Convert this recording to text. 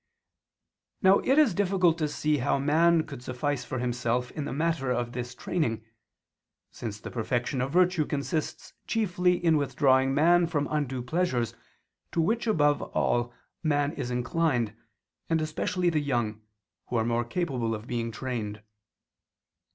Now it is difficult to see how man could suffice for himself in the matter of this training: since the perfection of virtue consists chiefly in withdrawing man from undue pleasures, to which above all man is inclined, and especially the young, who are more capable of being trained.